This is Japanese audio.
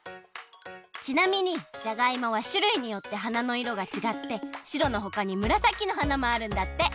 ちなみにじゃがいもはしゅるいによって花のいろがちがってしろのほかにむらさきの花もあるんだって。